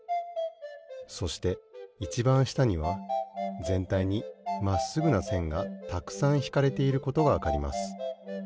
そしていちばんしたにはぜんたいにまっすぐなせんがたくさんひかれていることがわかります。